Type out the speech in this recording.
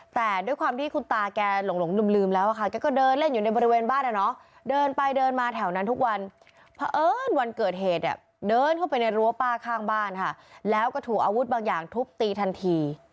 แต่ด้วยความที่คุณตาแกหลงลืมแล้วค่ะแกก็เดินเล่นอยู่ในบริเวณบ้านอ่ะเนาะเดินไปเดินมาแถวนั้นทุกวันเพราะเอิญวันเกิดเหตุเนี่ยเดินเข้าไปในรั้วป้าข้างบ้านค่ะแล้วก็ถูกอาวุธบางอย่างทุบตีทันที